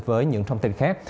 với những thông tin khác